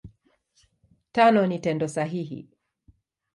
Tano ni Tendo sahihi.